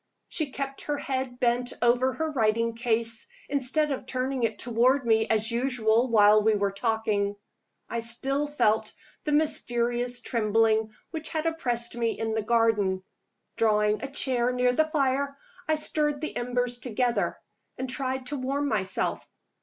She kept her head bent over her writing case, instead of turning it toward me as usual while we were talking. I still felt the mysterious trembling which had oppressed me in the garden. Drawing a chair near the fire, I stirred the embers together, and tried to warm myself.